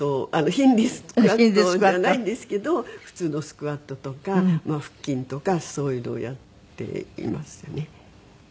ヒンズースクワットじゃないんですけど普通のスクワットとか腹筋とかそういうのをやっていますね。